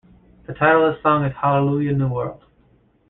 The title of the song is "Hallelujah New World".